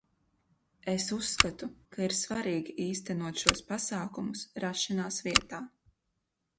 Es uzskatu, ka ir svarīgi īstenot šos pasākumus rašanās vietā.